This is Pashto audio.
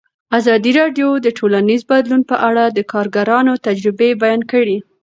ازادي راډیو د ټولنیز بدلون په اړه د کارګرانو تجربې بیان کړي.